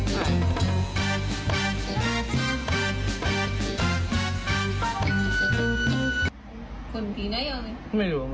มีรถเก๋งแดงคุณโอ้โหคงเสียหลักนะฮะ